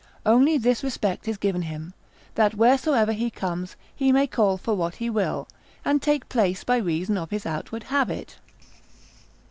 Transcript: Only this respect is given him, that wheresoever he comes, he may call for what he will, and take place by reason of his outward habit.